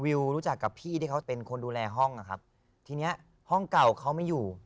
วิวรู้จักกับพี่ที่เขาเป็นคนดูแลห้องอะครับทีเนี้ยห้องเก่าเขาไม่อยู่